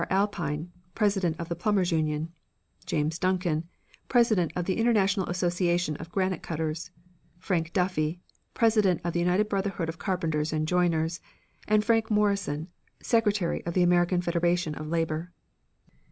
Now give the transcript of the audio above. Alpine, president of the Plumbers' Union; James Duncan, president of the International Association of Granite Cutters; Frank Duffy, president of the United Brotherhood of Carpenters and Joiners, and Frank Morrison, secretary of the American Federation of Labor.